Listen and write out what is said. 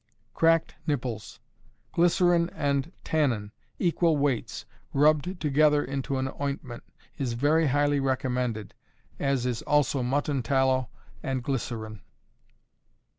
Cracked Nipples. Glycerine and tannin, equal weights, rubbed together into an ointment, is very highly recommended, as is also mutton tallow and glycerine.